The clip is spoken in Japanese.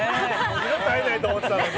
二度と会えないと思ってたのに。